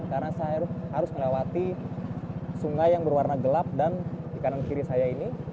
karena saya harus melewati sungai yang berwarna gelap dan di kanan kiri saya ini